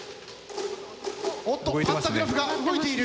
おっとパンタグラフが動いている。